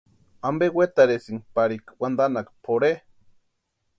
¿Ampe wetarhisïnki parika wantanhaka pʼorhe?